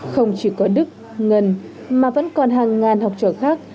không chỉ có đức ngân mà vẫn còn hàng ngàn học trò khác